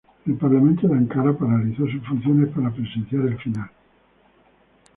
El parlamento en Ankara paralizó sus funciones para presenciar el final.